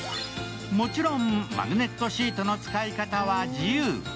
もちろんマグネットシートの使い方は自由。